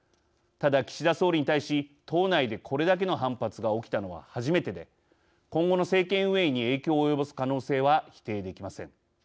ただ岸田総理に対し党内でこれだけの反発が起きたのは初めてで今後の政権運営に影響を及ぼす可能性は否定できません。